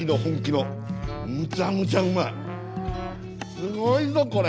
すごいぞこれ！